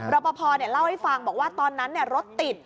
ปภเล่าให้ฟังบอกว่าตอนนั้นรถติด